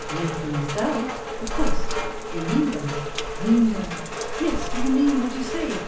"Make them yourself?" "Of course." "Do you mean them?" "Mean them!" "Yes. Do you mean what you say?